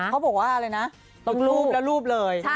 เขาบอกว่าอะไรนะรูปแล้วรูปเลย